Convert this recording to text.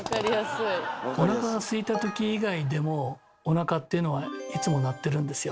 おなかがすいたとき以外でもおなかっていうのはいつも鳴ってるんですよ。